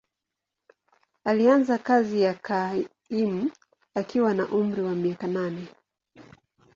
Alianza kazi ya kaimu akiwa na umri wa miaka nane.